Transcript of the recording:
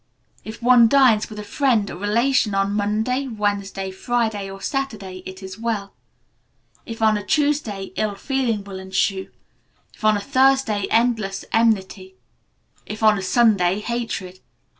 If one dines with a friend or relation on Monday, Wednesday, Friday, or Saturday, it is well; if on a Tuesday, ill feeling will ensue; if on a Thursday, endless enmity; if on a Sunday, hatred.